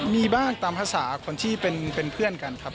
มีบ้างตามภาษาคนที่เป็นเพื่อนกันครับ